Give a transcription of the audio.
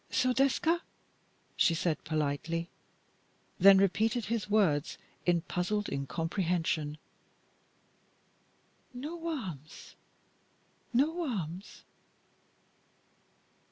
"So deska?" she said politely, then repeated his words in puzzled incomprehension: "Nowarms? Nowarms?"